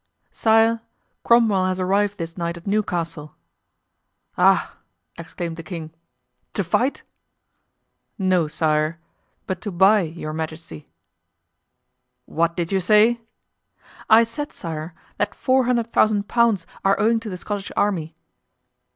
"Sire, Cromwell has arrived this night at Newcastle." "Ah!" exclaimed the king, "to fight?" "No, sire, but to buy your majesty." "What did you say?" "I said, sire, that four hundred thousand pounds are owing to the Scottish army."